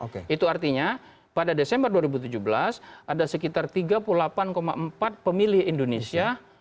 karena pada desember dua ribu tujuh belas ada sekitar tiga puluh delapan empat pemilih indonesia